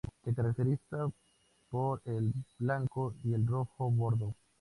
Se caracteriza por el blanco y el rojo-bordó.